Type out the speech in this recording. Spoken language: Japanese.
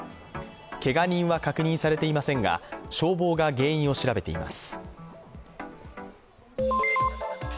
けが人は確認されていませんが消防が原因を調べています。